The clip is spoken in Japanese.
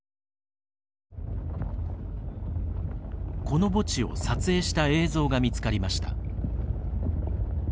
この墓地を撮影した映像が見つかりました。